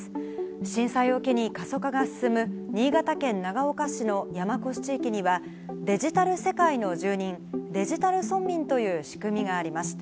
震災を機に過疎化が進む新潟県長岡市の山古志地域には、デジタル世界の住人、デジタル村民という仕組みがあります。